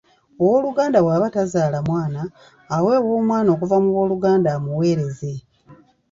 Ow’oluganda bw’aba teyazaala mwana aweebwa omwana okuva mu b'oluganda amuweereze.